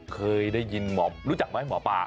เคยได้ยินรู้จักมั้ยหมัวป่า